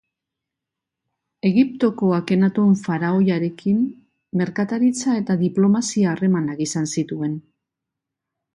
Egiptoko Akenaton faraoiarekin merkataritza eta diplomazia harremanak izan zituen.